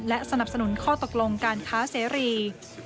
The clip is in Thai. และสนับสนุนข้อตกลงการค้าเสรี